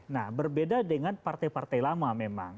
nah berbeda dengan partai partai lama memang